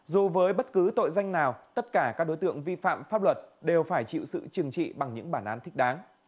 dù với bất cứ tội danh nào tất cả các đối tượng vi phạm pháp luật đều phải chịu sự trừng trị bằng những bản án thích đáng